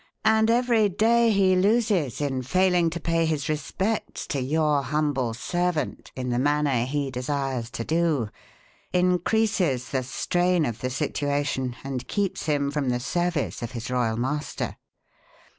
"And every day he loses in failing to pay his respects to your humble servant in the manner he desires to do increases the strain of the situation and keeps him from the service of his royal master."